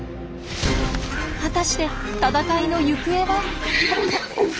果たして戦いの行方は？